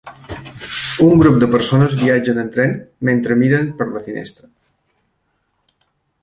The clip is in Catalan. Un grup de persones viatgen en tren mentre miren per la finestra.